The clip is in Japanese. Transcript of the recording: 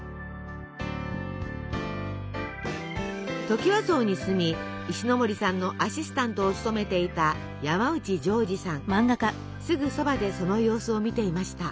トキワ荘に住み石森さんのアシスタントを務めていたすぐそばでその様子を見ていました。